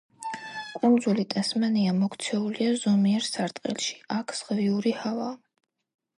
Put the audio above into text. კუნძული ტასმანია მოქცეულია ზომიერ სარტყელში, აქ ზღვიური ჰავაა.